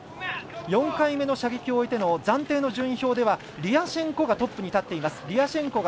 ４回目の射撃を終えての暫定の順位表ではリアシェンコがトップに立っています。